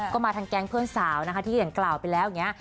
ก็มาทางแก๊งเพื่อนสาวนะคะที่อย่างกล่าวไปแล้วอย่างนี้